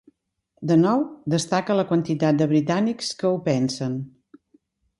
De nou destaca la quantitat de britànics que ho pensen.